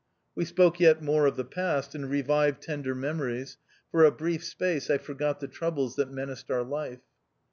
We spoke yet more of the past, and revived tender memories ; for a brief space I forgot the troubles that menaced our life.